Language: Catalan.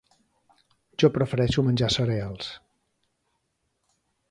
Jo prefereixo menjar cereals.